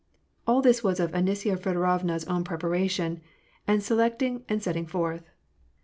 All this was of Anisya Feodorovna's own preparation, and selecting, and setting forth.